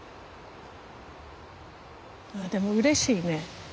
でもうれしいね。